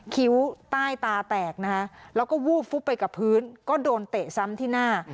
คิ้วใต้ตาแตกนะคะแล้วก็วูบฟุบไปกับพื้นก็โดนเตะซ้ำที่หน้า